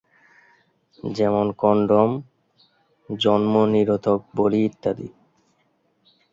যেমন কনডম, জন্ম নিরোধক বড়ি ইত্যাদি।